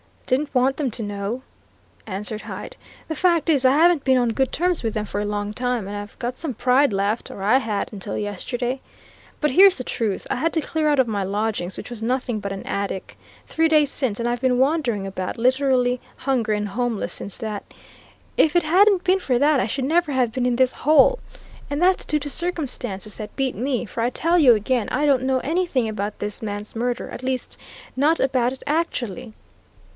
"Didn't want them to know," answered Hyde. "The fact is, I haven't been on good terms with them for a long time, and I've got some pride left or I had, until yesterday. But here's the truth: I had to clear out of my lodgings which was nothing but an attic, three days since, and I've been wandering about, literally hungry and homeless, since that. If it hadn't been for that, I should never have been in this hole! And that's due to circumstances that beat me, for I tell you again, I don't know anything about this man's murder at least, not about it actually."